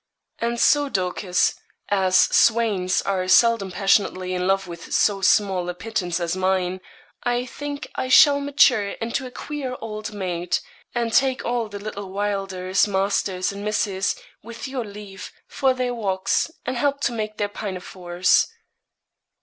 'And so Dorcas, as swains are seldom passionately in love with so small a pittance as mine, I think I shall mature into a queer old maid, and take all the little Wylders, masters and misses, with your leave, for their walks, and help to make their pinafores.'